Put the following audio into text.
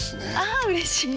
ああうれしい！